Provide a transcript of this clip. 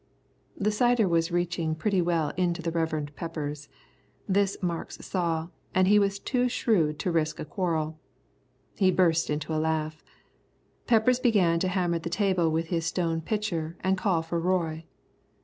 The cider was reaching pretty well into the Reverend Peppers. This Marks saw, and he was too shrewd to risk a quarrel. He burst into a laugh. Peppers began to hammer the table with his stone pitcher and call for Roy.